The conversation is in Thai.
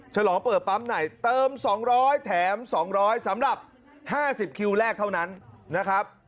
ฉลองเปิดปั๊มไหนเติมสองร้อยแถมสองร้อยสำหรับห้าสิบคิวแรกเท่านั้นนะครับ